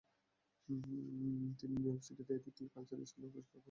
তিনি New York সিটিতে Ethical Culture স্কুলে শিক্ষক হন।